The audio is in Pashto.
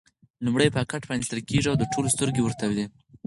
لومړی پاکټ پرانېستل کېږي او د ټولو سترګې ورته دي.